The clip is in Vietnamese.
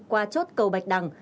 qua chốt cầu bạch đằng